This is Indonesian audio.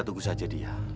tunggu saja dia